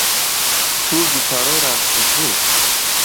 Ĉu vi parolas ĝin?